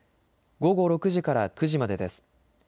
午後９時から午前０時までです。